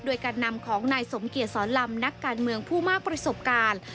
โดยการนำของนายสมเกียจสอนลำนักการเมืองผู้มากประสบการณ์